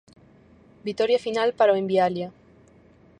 Vitoria final para o Envialia.